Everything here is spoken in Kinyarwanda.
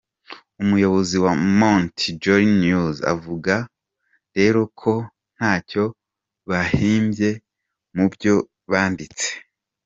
» Umuyobozi wa Mont Jali News akavuga rero ko ntacyo bahimbye mu byo banditse.